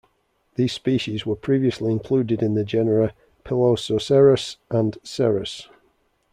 These species were previously included in the genera "Pilosocereus" and "Cereus".